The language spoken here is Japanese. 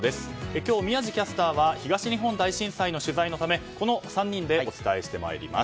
今日、宮司キャスターは東日本大震災の取材のため、この３人でお伝えしてまいります。